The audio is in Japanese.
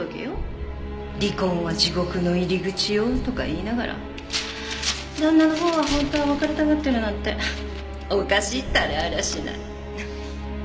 「離婚は地獄の入り口よ」とか言いながら旦那のほうは本当は別れたがってるなんておかしいったらありゃしない。